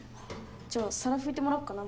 じゃあ皿拭いてもらおっかな。